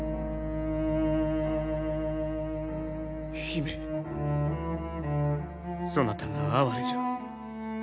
姫そなたが哀れじゃ。